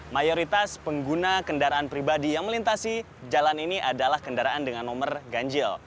mayoritas pengguna kendaraan pribadi yang melintasi jalan ini adalah kendaraan dengan nomor ganjil